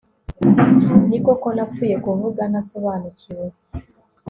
ni koko, napfuye kuvuga ntasobanukiwe